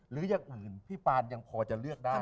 อย่างอื่นพี่ปานยังพอจะเลือกได้